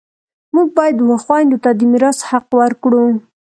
موږ باید و خویندو ته د میراث حق ورکړو